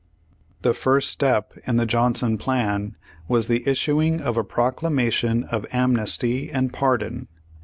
The first step in the Johnson plan was the issu ing of a "Proclamation of Amnesty and Pardon."